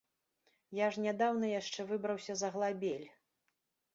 Я ж нядаўна яшчэ выбраўся з аглабель!